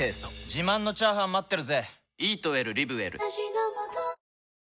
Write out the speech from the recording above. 自慢のチャーハン待ってるぜ！